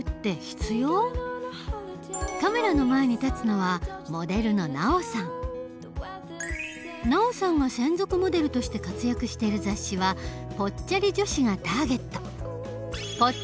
カメラの前に立つのはＮＡＯさんが専属モデルとして活躍している雑誌はぽっちゃり女子がターゲット。